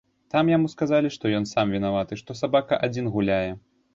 Там яму сказалі, што ён сам вінаваты, што сабака адзін гуляе.